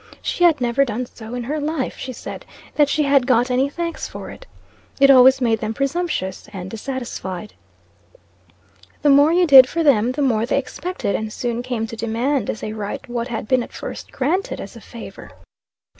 She had never done so in her life, she said, that she had got any thanks for it. It always made them presumptuous and dissatisfied. The more you did for them, the more they expected, and soon came to demand as a right what had been at first granted as a favor.